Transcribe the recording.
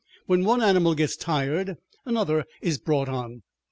When one animal gets tired, another is brought on.